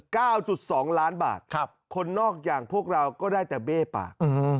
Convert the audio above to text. เก้าจุดสองล้านบาทครับคนนอกอย่างพวกเราก็ได้แต่เบ้ปากอืม